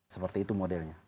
seperti itu modelnya